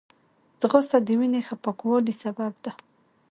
ځغاسته د وینې ښه پاکوالي سبب ده